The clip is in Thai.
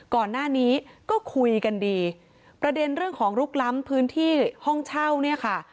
ก่อนหน้านี้ก็คุยกันดีประเด็นเรื่องของลุกล้ำพื้นที่ห้องเช่าเนี่ยค่ะ